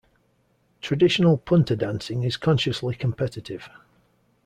Traditional punta dancing is consciously competitive.